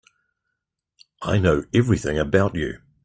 I know everything about you.